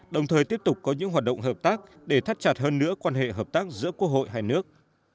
đồng thời tiếp tục có những hoạt động hợp tác để thắt chặt hơn nữa quan hệ hợp tác giữa quốc hội hai nước